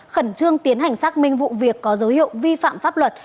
khẩn trương tiến hành xác minh vụ việc có dấu hiệu vi phạm pháp luật